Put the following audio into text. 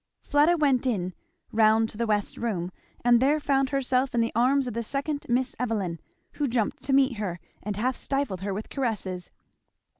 Fleda went in, round to the west room, and there found herself in the arms of the second Miss Evelyn, who jumped to meet her and half stifled her with caresses.